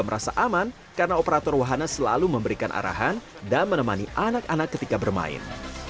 merasa aman karena operator wahana selalu memberikan arahan dan menemani anak anak ketika bermain